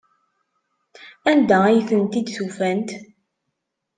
Anda ay tent-id-ufant?